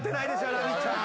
ラミちゃん。